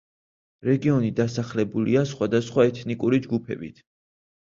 რეგიონი დასახლებულია სხვადასხვა ეთნიკური ჯგუფებით.